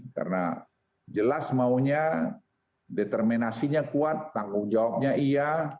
karena jelas maunya determinasinya kuat tanggung jawabnya iya